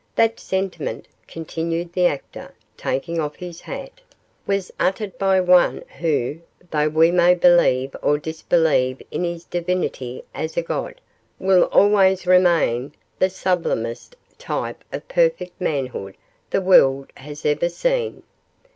'That sentiment,' continued the actor, taking off his hat, 'was uttered by One who, tho' we may believe or disbelieve in His divinity as a God, will always remain the sublimest type of perfect manhood the world has ever seen.